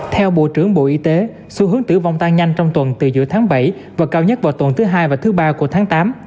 theo bộ trưởng bộ y tế xu hướng tử vong tăng nhanh trong tuần từ giữa tháng bảy và cao nhất vào tuần thứ hai và thứ ba của tháng tám